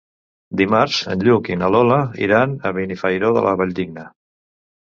Dimarts en Lluc i na Lola iran a Benifairó de la Valldigna.